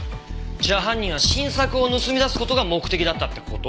じゃあ犯人は新作を盗み出す事が目的だったって事？